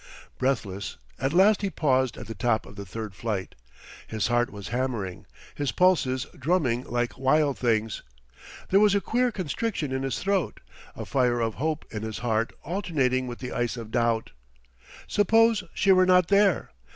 Breathless, at last he paused at the top of the third flight. His heart was hammering, his pulses drumming like wild things; there was a queer constriction in his throat, a fire of hope in his heart alternating with the ice of doubt. Suppose she were not there!